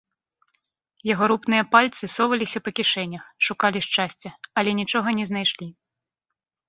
Яго рупныя пальцы соваліся па кішэнях, шукалі шчасця, але нічога не знайшлі.